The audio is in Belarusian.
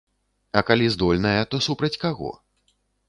А калі здольная, то супраць каго?